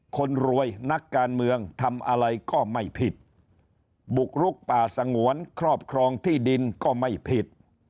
คนรวยนักการเมืองทำอะไรก็ไม่ผิดบุกรุกป่าสงวนครอบครองที่ดินก็ไม่ผิด